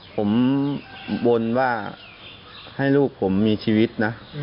ผมบนว่าให้ลูกผมมีชีวิตนะ